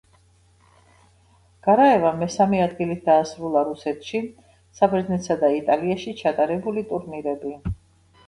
გარაევამ მესამე ადგილით დაასრულა რუსეთში, საბერძნეთსა და იტალიაში ჩატარებული ტურნირები.